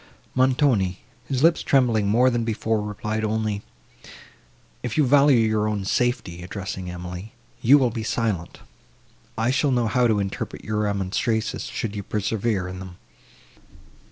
Montoni, his lips trembling more than before, replied only, "If you value your own safety," addressing Emily, "you will be silent. I shall know how to interpret your remonstrances, should you persevere in them."